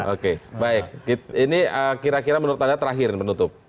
oke baik ini kira kira menurut anda terakhir menutup